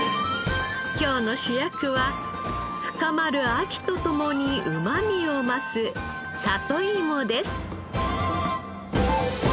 今日の主役は深まる秋と共にうまみを増す里いもです。